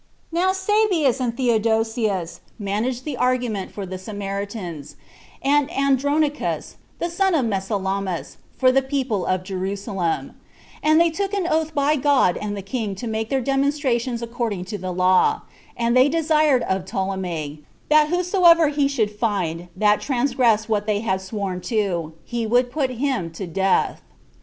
Now Sabbeus and Theodosius managed the argument for the Samaritans, and Andronicus, the son of Messalamus, for the people of Jerusalem; and they took an oath by God and the king to make their demonstrations according to the law; and they desired of Ptolemy, that whomsoever he should find that transgressed what they had sworn to, he would put him to death.